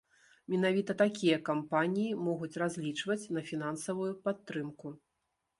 Менавіта такія кампаніі могуць разлічваць на фінансавую падтрымку.